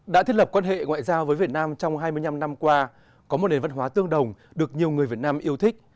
đã thiết lập quan hệ ngoại giao với việt nam trong hai mươi năm năm qua có một nền văn hóa tương đồng được nhiều người việt nam yêu thích